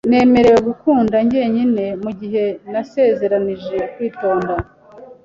Nemerewe kugenda njyenyine mugihe nasezeranije kwitonda.